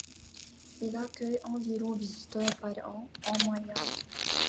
Il accueille environ visiteurs par an, en moyenne.